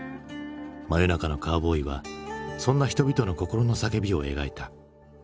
「真夜中のカーボーイ」はそんな人々の心の叫びを描いた。